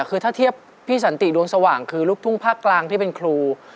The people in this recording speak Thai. คือถ้าเทียบพี่สันติดวงสว่างคือลูกทุ่งภาคกลางที่เป็นครู